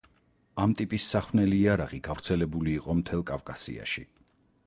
ამ ტიპის სახვნელი იარაღი გავრცელებული იყო მთელ კავკასიაში.